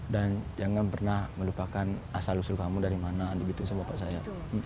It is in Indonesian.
dan jangan pernah melupakan asal usul kamu dari mana gitu sama bapak saya